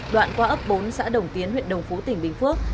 đoạn qua ấp bốn xã đồng tiến huyện đồng phú tỉnh bình phước